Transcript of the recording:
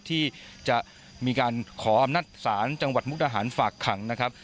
ที่จะมีการขออำนาจศาลจังหวัดมุกดาหารฝากขังนะครับ